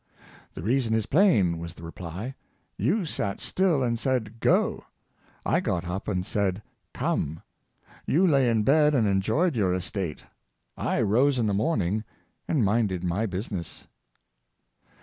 "The reason is plain," was the reply; " you sat still and said Go^ I got up and said Co?ne; you lay in bed and enjoyed your estate, I rose in the morning and minded my business."